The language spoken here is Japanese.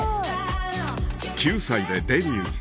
９歳でデビュー